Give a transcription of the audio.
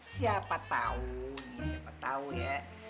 siapa tahu siapa tahu ya